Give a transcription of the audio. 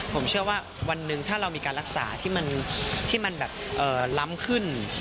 ผมเชื่อว่าวันหนึ่งถ้าเรามีการรักษาที่มันแบบล้ำขึ้น